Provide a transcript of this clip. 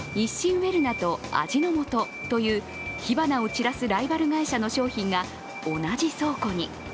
ウェルナと味の素という火花を散らすライバル会社の商品が同じ倉庫に。